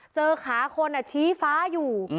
เจอขาคนชี้ฟ้าอยู่